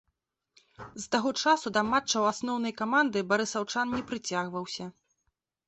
З таго часу да матчаў асноўнай каманды барысаўчан не прыцягваўся.